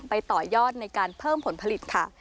ต่อยอดในการเพิ่มผลผลิตค่ะ